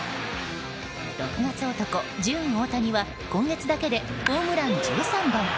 ６月男、ジューン・オオタニは今月だけでホームラン１３本。